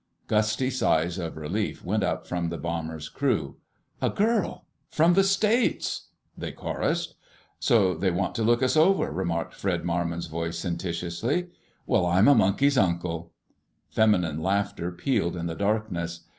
Gusty sighs of relief went up from the bomber's crew. "A girl! From the States!" they chorused. "So they want to look us over," remarked Fred Marmon's voice sententiously. "Well, I'm a monkey's uncle!" Feminine laughter pealed in the darkness.